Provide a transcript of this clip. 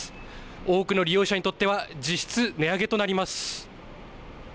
多くの利用者にとっては実質値上げとなります。